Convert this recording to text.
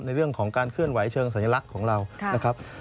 ในเรื่องของการเคลื่อนไหวเชิงสัญลักษณ์ของเรานะครับ